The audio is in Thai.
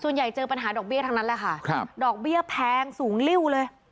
เจอปัญหาดอกเบี้ยทั้งนั้นแหละค่ะครับดอกเบี้ยแพงสูงริ้วเลย